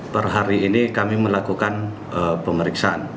per hari ini kami melakukan pemeriksaan